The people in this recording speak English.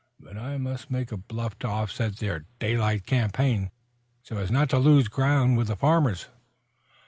But I must make a bluff to offset their daylight campaign, so as not to lose ground with the farmers.